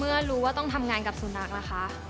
เมื่อรู้ว่าต้องทำงานกับสุนัขล่ะคะ